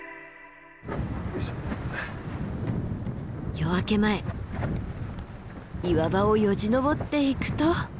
夜明け前岩場をよじ登っていくと。